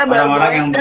orang orang yang baru